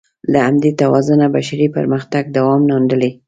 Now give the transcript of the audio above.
له همدې توازنه بشري پرمختګ دوام موندلی.